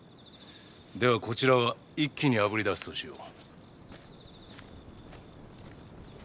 ではこちらは一気にあぶり出すとしよう。